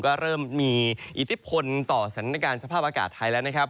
ก็เริ่มมีอิทธิพลต่อสถานการณ์สภาพอากาศไทยแล้วนะครับ